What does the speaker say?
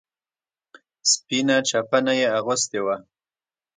سپينه چپنه يې اغوستې وه.